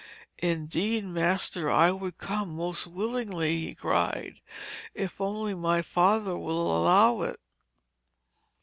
'Indeed, master, I would come most willingly,' he cried, 'if only my father will allow it.'